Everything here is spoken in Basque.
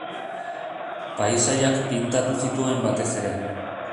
Paisaiak pintatu zituen batez ere.